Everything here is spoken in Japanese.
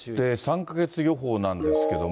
３か月予報なんですけども。